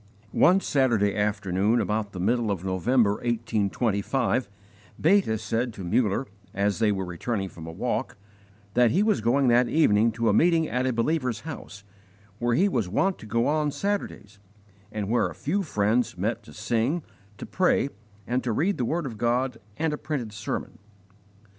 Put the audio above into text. One Saturday afternoon about the middle of November, 1825, Beta said to Muller, as they were returning from a walk, that he was going that evening to a meeting at a believer's house, where he was wont to go on Saturdays, and where a few friends met to sing, to pray, and to read the word of God and a printed sermon.